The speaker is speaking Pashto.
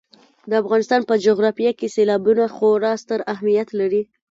د افغانستان په جغرافیه کې سیلابونه خورا ستر اهمیت لري.